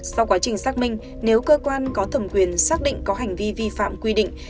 sau quá trình xác minh nếu cơ quan có thẩm quyền xác định có hành vi vi phạm quy định